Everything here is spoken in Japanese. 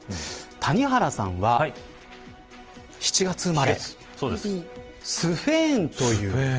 谷原さんは７月生まれスフェーンという。